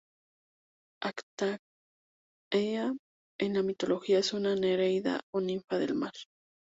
Actaea en la mitología es una nereida o "ninfa del mar".